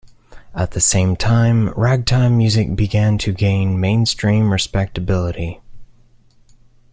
At the same time, ragtime music began to gain mainstream respectibility.